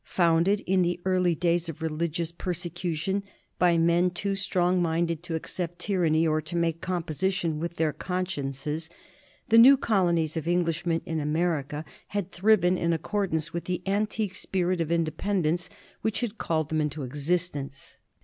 Founded in the early days of religious per secution by men too stroug minded to accept tyranny or to make composition with their consciences, the new col onies of Englishmen in America had thriven in accordance with the antique spirit of independence which had called them into existence.